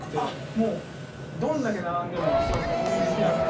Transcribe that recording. もうどんだけ並んでも恐らく購入できなくて。